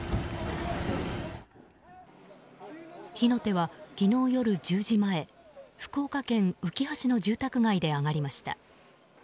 火の手は昨日夜１０時前福岡県うきは市の住宅街で上がりました。